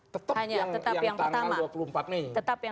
tetap yang tanggal dua puluh empat mei